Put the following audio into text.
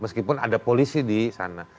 meskipun ada polisi di sana